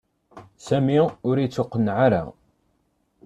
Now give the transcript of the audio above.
Sami ur ittuqqeneɛ ara.